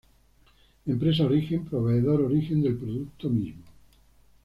Empresa Origen: proveedor origen del producto mismo.